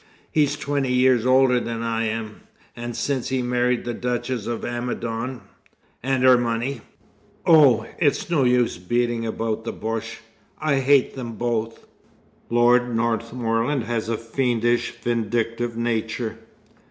He's twenty years older than I am; and since he married the Duchess of Amidon " "And her money! Oh, it's no use beating about the bush. I hate them both. Lord Northmorland has a fiendish, vindictive nature."